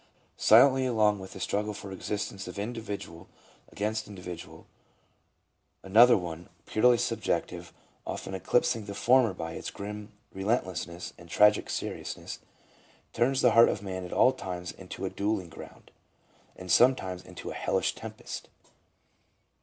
Silently along with the struggle for existence of indi vidual against individual, another one, purely subjective, often eclipsing the former by its grim relentlessness and tragic seriousness, turns the heart of man at all times into a duelling ground, and some times into a hellish tempest.